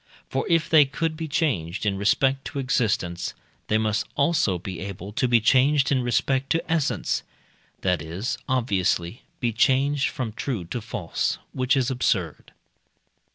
For if they could be changed in respect to existence, they must also be able to be changed in respect to essence that is, obviously, be changed from true to false, which is absurd.